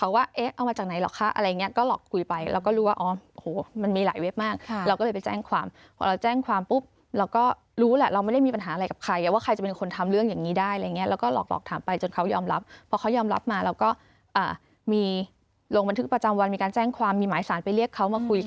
ว่าเอ๊ะเอามาจากไหนหรอกคะอะไรอย่างเงี้ก็หลอกคุยไปเราก็รู้ว่าอ๋อมันมีหลายเว็บมากเราก็เลยไปแจ้งความพอเราแจ้งความปุ๊บเราก็รู้แหละเราไม่ได้มีปัญหาอะไรกับใครว่าใครจะเป็นคนทำเรื่องอย่างนี้ได้อะไรอย่างเงี้แล้วก็หลอกถามไปจนเขายอมรับเพราะเขายอมรับมาเราก็มีลงบันทึกประจำวันมีการแจ้งความมีหมายสารไปเรียกเขามาคุย